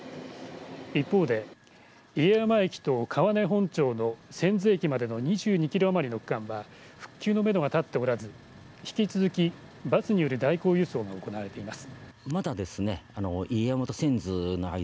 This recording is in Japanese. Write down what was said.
一方で家山駅と川根本町の千頭駅までの２２キロ余りの区間は復旧のめどが立たず引き続き、バスによる代行輸送が行われています。